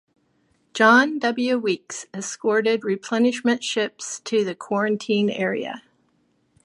"John W. Weeks" escorted replenishment ships to the quarantine area.